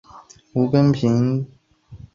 无根萍属在东南亚部份地区被当作蔬菜。